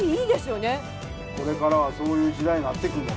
これからはそういう時代になってくるのか？